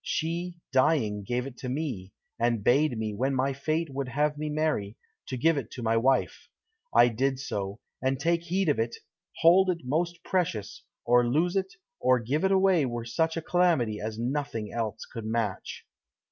She, dying, gave it me, and bade me, when my fate would have me marry, to give it to my wife. I did so; and take heed of it! Hold it most precious; to lose it or give it away were such calamity as nothing else could match."